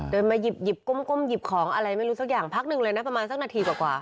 เดินมาหยิบก้มหยิบของอะไรไม่รู้สักอย่างพักหนึ่งเลยนะประมาณสักนาทีกว่า